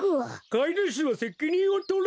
かいぬしはせきにんをとれ！